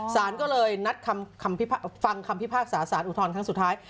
สารก็เลยนัดฟังคำพิพากษาสารอุทธรณ์ครั้งสุดท้าย